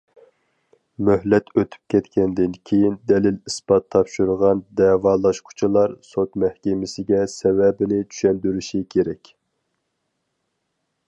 مۆھلەت ئۆتۈپ كەتكەندىن كېيىن دەلىل- ئىسپات تاپشۇرغان دەۋالاشقۇچىلار سوت مەھكىمىسىگە سەۋەبىنى چۈشەندۈرۈشى كېرەك.